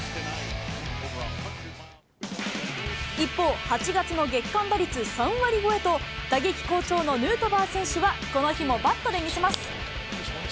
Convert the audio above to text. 一方、８月の月間打率３割超えと、打撃好調のヌートバー選手は、この日もバットで見せます。